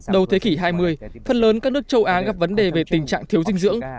đầu thế kỷ hai mươi phần lớn các nước châu á gặp vấn đề về tình trạng thiếu dinh dưỡng